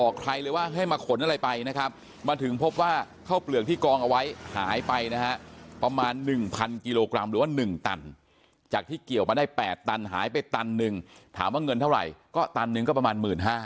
กิโลกรัมหรือว่าหนึ่งตันจากที่เกี่ยวมาได้แปดตันหายไปตันหนึ่งถามว่าเงินเท่าไรก็ตันหนึ่งก็ประมาณหมื่นห้า